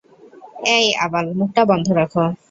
অ্যাই আবাল, মুখটা বন্ধ রাখো।